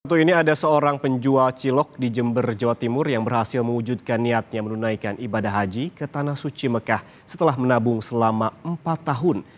untuk ini ada seorang penjual cilok di jember jawa timur yang berhasil mewujudkan niatnya menunaikan ibadah haji ke tanah suci mekah setelah menabung selama empat tahun